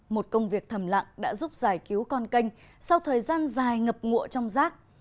một công việc thầm lặng đã giúp giải cứu con canh sau thời gian dài ngập ngụa trong rác